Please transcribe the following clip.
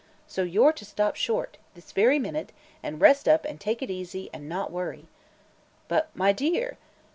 So you're to stop short this very minute and rest up and take it easy and not worry." "But my dear!"